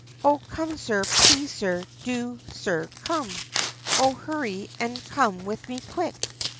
Oh! come Sir, please Sir, do Sir come, O hurry an' come with me quick!"